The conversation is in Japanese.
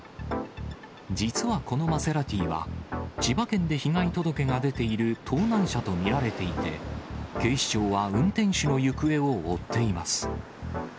実はこのマセラティは、千葉県で被害届が出ている盗難車と見られていて、警視庁は運転手の行方を追っています。